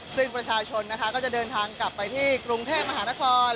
ซึ่งประชาชนนะคะก็จะเดินทางกลับไปที่กรุงเทพมหานคร